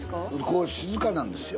ここは静かなんですよ。